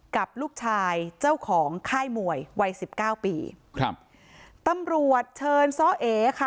กับลูกชายเจ้าของค่ายมวยวัยสิบเก้าปีครับตำรวจเชิญซ้อเอค่ะ